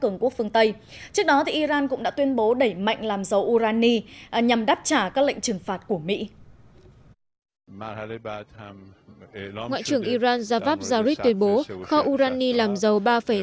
ngoại trưởng iran mohammad javad javid tuyên bố kho urani làm dầu ba sáu mươi bảy